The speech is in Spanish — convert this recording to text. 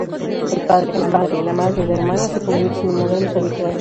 El padre, la madre y la hermana se convierten en modelos habituales.